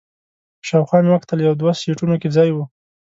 شاوخوا مې وکتل، یو دوه سیټونو کې ځای و.